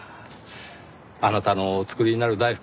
あなたのお作りになる大福